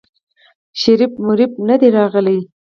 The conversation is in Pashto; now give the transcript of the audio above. شريف مريف ندی راغلی.